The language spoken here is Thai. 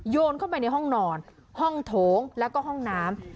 โยนเข้าไปในห้องนอนห้องโถงแล้วก็ห้องน้ำ